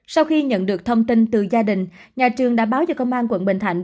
sau khi nhận được thông tin từ gia đình nhà trường đã báo cho công an quận bình thạnh